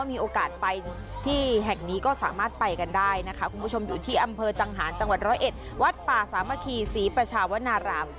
มีโอกาสไปที่แห่งนี้ก็สามารถไปกันได้นะคะคุณผู้ชมอยู่ที่อำเภอจังหารจังหวัดร้อยเอ็ดวัดป่าสามัคคีศรีประชาวนาราม